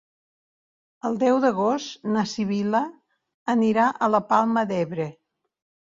El deu d'agost na Sibil·la anirà a la Palma d'Ebre.